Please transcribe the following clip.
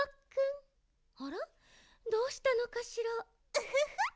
ウフフッ！